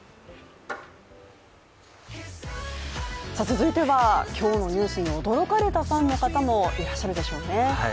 続いては、今日のニュースに驚かれたファンの方もいらっしゃるでしょうね。